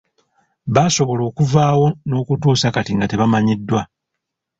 Baasobola n’okuvaawo nga n’okutuusa kati tebamanyiddwa.